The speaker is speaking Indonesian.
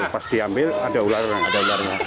pas diambil ada ularnya